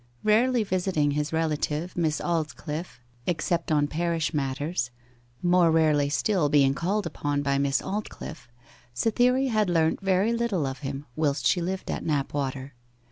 Rarely visiting his relative, Miss Aldclyffe, except on parish matters, more rarely still being called upon by Miss Aldclyffe, Cytherea had learnt very little of him whilst she lived at Knapwater.